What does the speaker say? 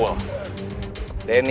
dimana mereka kalau kumpul